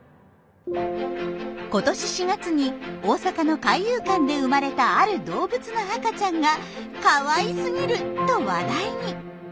今年４月に大阪の海遊館で生まれたある動物の赤ちゃんが「カワイすぎる！」と話題に。